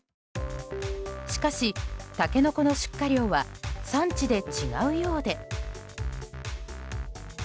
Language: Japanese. しかし、タケノコの出荷量は産地で違うようで。